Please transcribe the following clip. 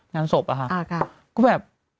งานศพอะคะ